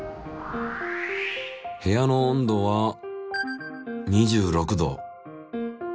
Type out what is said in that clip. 部屋の温度は２６℃。